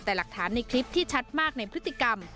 แต่หลักฐานในคลิปที่ชัดมากในพฤติกรรม